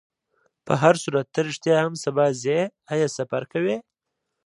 په هرصورت، ته رښتیا هم سبا ځې؟ آیا سفر کوې؟